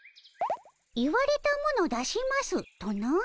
「言われたもの出します」とな？